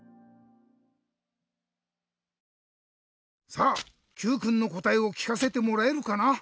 さあＱくんのこたえをきかせてもらえるかな？